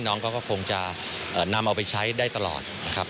น้องเขาก็คงจะนำเอาไปใช้ได้ตลอดนะครับ